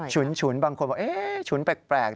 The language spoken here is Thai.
ฉุนบางคนเรื่องว่าเอ๊ฉุนแปลก